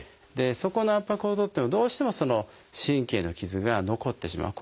そこの圧迫を取ってもどうしてもその神経の傷が残ってしまう。